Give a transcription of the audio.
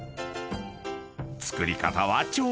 ［作り方は超簡単］